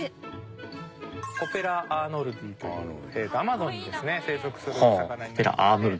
コペラ・アーノルディというアマゾンに生息する魚になりまして。